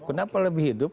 kenapa lebih hidup